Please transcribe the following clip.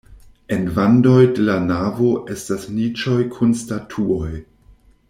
En vandoj de la navo estas niĉoj kun statuoj.